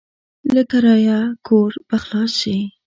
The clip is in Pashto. له کرايه کوره به خلاص شې.